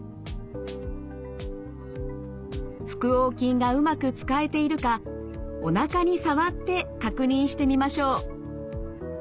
腹横筋がうまく使えているかおなかに触って確認してみましょう。